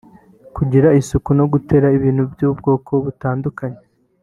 kugira isuku no gutera ibiti by’ubwoko butandukanye